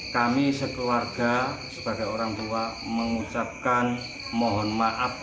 kami sekeluarga sebagai orang tua mengucapkan mohon maaf